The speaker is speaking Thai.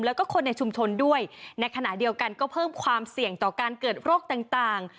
แล้วก็คนในชุมชนด้วยในขณะเดียวกันก็เพิ่มความเสี่ยงต่อการเกิดโรคต่าง